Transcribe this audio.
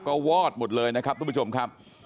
ก็วอดหมดเลยนะครับทุกผู้ชมครับ